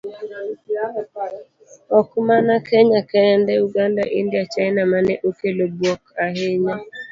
Ok mana kenya kende, Uganda, India, China, mane okelo buok ahinya.